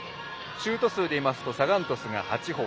シュート数でいいますとサガン鳥栖が８本。